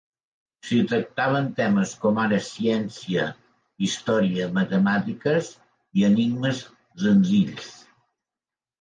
S'hi tractaven temes com ara ciència, història, matemàtiques i enigmes senzills.